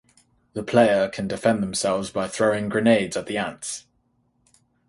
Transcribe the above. The player can defend themselves by throwing grenades at the ants.